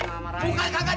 bukan kakak dimarahin